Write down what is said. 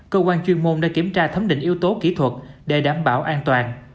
cơ quan chuyên môn đã kiểm tra thấm định yếu tố kỹ thuật